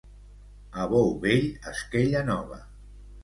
A bou vell, esquella nova.